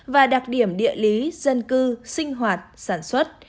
và đặc điểm địa lý dân cư sinh hoạt sản xuất